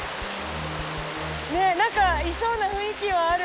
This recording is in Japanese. ねえなんかいそうな雰囲気はある。